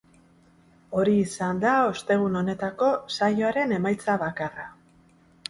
Hori izan da ostegun honetako saioaren emaitza bakarra.